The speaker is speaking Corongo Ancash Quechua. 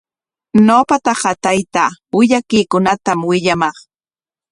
Ñawpaqa taytaa willakuykunatami willamaq.